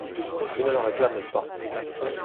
Je ne la réclame pas.